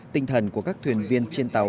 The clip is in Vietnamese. tinh thần của các thuyền viên trên tàu